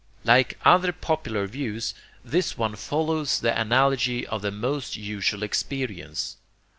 Like other popular views, this one follows the analogy of the most usual experience.